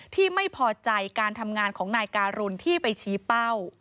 ที่ไม่พอใจการทำงานของนายการุณที่ไปชี้เป้า